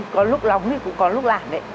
có lúc lòng thì cũng có lúc làm đấy